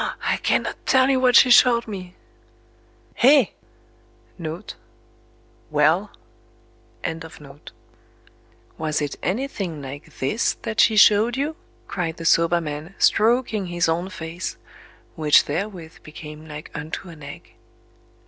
_ I cannot tell you what she showed me!"... "Hé! (4) Was it anything like THIS that she showed you?" cried the soba man, stroking his own face—which therewith became like unto an Egg...